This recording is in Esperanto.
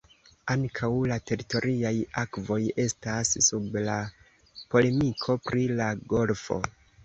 Ankaŭ la teritoriaj akvoj estas sub la polemiko pri la golfo.